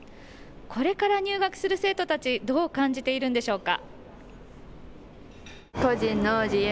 これから入学する生徒たち、どう感じているんでしょうか。